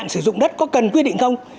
sử dụng đất có cần quyết định không